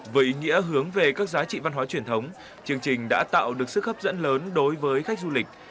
với ý nghĩa hướng về các giá trị văn hóa truyền thống chương trình đã tạo được sức hấp dẫn lớn đối với khách du lịch